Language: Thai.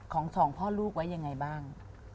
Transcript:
สองพ่อลูกไว้ยังไงบ้าง